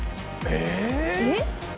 えっ？